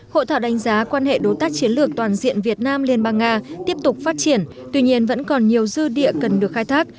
hội thảo đánh giá quan hệ đối tác chiến lược toàn diện việt nam liên bang nga tiếp tục phát triển tuy nhiên vẫn còn nhiều dư địa cần được khai thác